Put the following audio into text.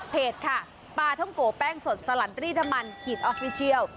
ค่ะปลาท่องโกแป้งสดสลันรีน้ำมันขีดออฟฟิเชียล